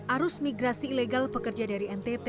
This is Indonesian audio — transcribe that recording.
arus migrasi ilegal pekerja dari ntt